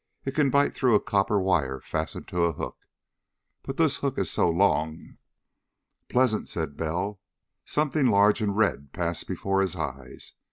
It can bite through a copper wire fastened to a hook, but this hook is so long...." "Pleasant," said Bell. Something large and red passed before his eyes.